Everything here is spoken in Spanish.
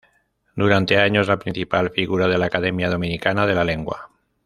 Durante años la principal figura de la Academia Dominicana de la Lengua.